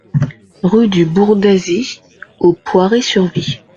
Rue du Bourdaisy au Poiré-sur-Vie